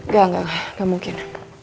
gak gak mungkin